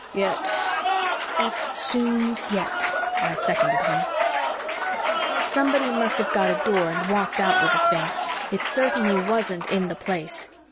Yet ..." "Eftsoons yet," I seconded him. Somebody must have got a door and walked out with the thing. It certainly wasn't in the Place.